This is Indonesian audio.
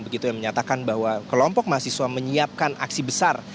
begitu yang menyatakan bahwa kelompok mahasiswa menyiapkan aksi besar